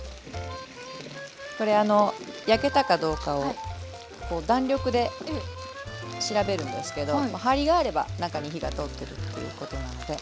これあの焼けたかどうかを弾力で調べるんですけど張りがあれば中に火が通ってるということなので。